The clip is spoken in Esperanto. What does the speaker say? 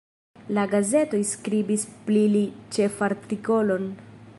La gazetoj skribis pli li ĉefartikolon.